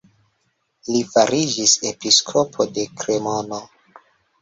Li fariĝis episkopo de Kremono.